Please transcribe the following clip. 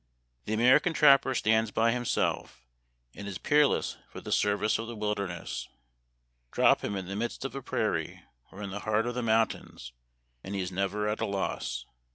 ..." The American trapper stands by himself, and is peerless for the service of the wilder ness. Drop him in the midst of a prairie or in the heart of the mountains and he is never at a loss.